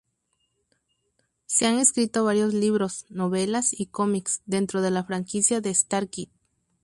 Se han escrito varios libros, novelas y cómics, dentro de la franquicia de Stargate.